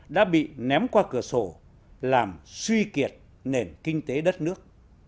đã bị ném qua cửa sổ làm suy kiệt nền kinh tế đất nước